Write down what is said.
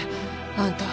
あんた。